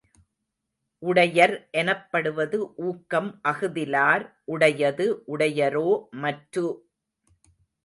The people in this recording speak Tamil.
உடையர் எனப்படுவது ஊக்கம் அஃதிலார் உடையது உடையரோ மற்று?